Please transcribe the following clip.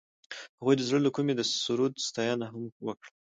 هغې د زړه له کومې د سرود ستاینه هم وکړه.